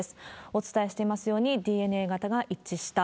お伝えしていますように、ＤＮＡ型が一致した。